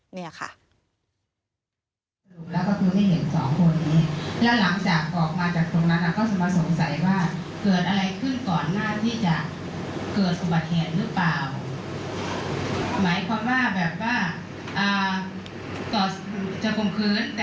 นี่ค่ะ